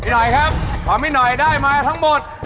น้อยครับพวกพี่น้อยได้มาทั้งหมด